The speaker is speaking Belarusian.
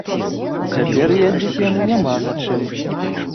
Цяпер ездзіць яму няма на чым.